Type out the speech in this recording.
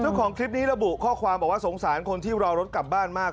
เจ้าของคลิปนี้ระบุข้อความบอกว่าสงสารคนที่รอรถกลับบ้านมาก